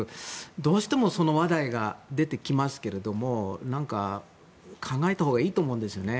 どうしても、その話題が出てきますけれども何か、考えたほうがいいと思うんですね。